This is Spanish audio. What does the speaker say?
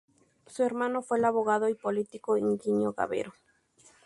Su hermano fue el abogado y político Íñigo Cavero.